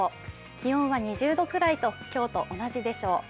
気温は２０度くらいと今日と同じでしょう。